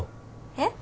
えっ？